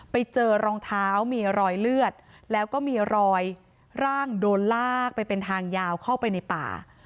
ไปเจอรองเท้ามีรอยเลือดแล้วก็มีรอยร่างโดนลากไปเป็นทางยาวเข้าไปในป่า